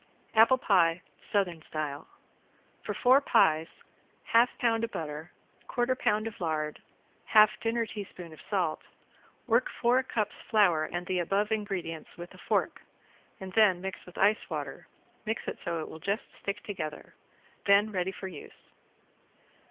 ~APPLE PIE SOUTHERN STYLE~ For four pies half pound butter, quarter pound of lard, half dinner teaspoon of salt, work four cups flour and the above ingredients with a fork, and then mix with ice water and mix it so it will just stick together. Then ready for use.